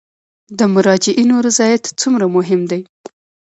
د مراجعینو رضایت څومره مهم دی؟